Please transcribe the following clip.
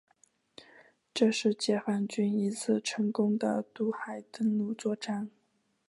这是解放军一次成功的渡海登陆作战。